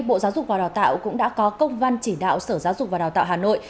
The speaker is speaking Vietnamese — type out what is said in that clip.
bộ giáo dục và đào tạo cũng đã có công văn chỉ đạo sở giáo dục và đào tạo hà nội